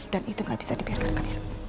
dan itu gak bisa dibiarkan gak bisa